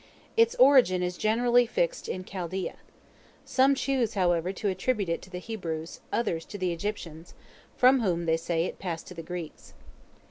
Its origin is generally fixed in Chaldea. Some choose, however, to attribute it to the Hebrews; others to the Egyptians, from whom, they say, it passed to the Greeks.